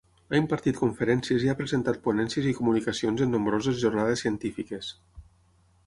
Ha impartit conferències i ha presentat ponències i comunicacions en nombroses jornades científiques.